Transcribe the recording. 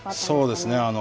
そうですね。